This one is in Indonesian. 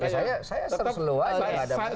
saya seru seru aja